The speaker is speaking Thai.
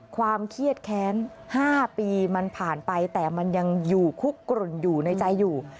ความเครียดแค้น๕ปีมันผ่านไปแต่มันยังอยู่คุกกลุ่นอยู่ในใจอยู่